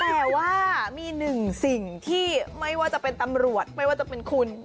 แต่ว่ามีหนึ่งสิ่งที่ไม่ว่าจะเป็นตำรวจไม่ว่าจะเป็นคุณ